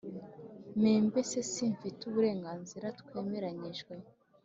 membese simfite uburenganzira twemeranyijwe